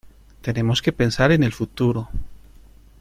Tenemos que pensar en el futuro.